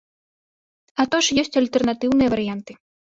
А то ж ёсць альтэрнатыўныя варыянты.